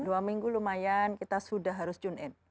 dua minggu lumayan kita sudah harus tune in